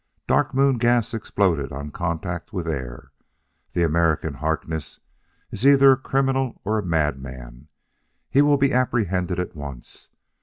Dark Moon gas exploded on contact with air. The American, Harkness, is either a criminal or a madman; he will be apprehended at once.